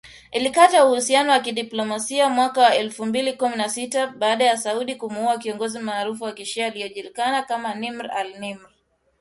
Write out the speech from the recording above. Ilikata uhusiano wa kidiplomasia mwaka wa elfu mbili kumi na sita, baada ya Saudi kumuua kiongozi maarufu wa kishia, aliyejulikana kama Nimr al-Nimr.